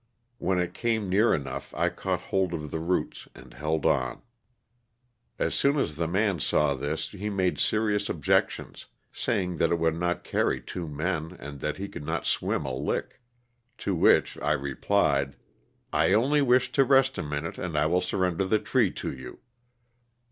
When it came near enough I caught hold of the roots and held on. As 184 LOSS OF THE SULTANA. soon as the man saw this he made serious objections, saying that it would not carry two men and that he could not swim a lick. To which I replied, *' 1 only wish to rest a minute and I will surrender the tree to' you."